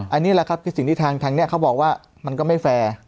อันนี้แหละครับคือสิ่งที่ทางนี้เขาบอกว่ามันก็ไม่แฟร์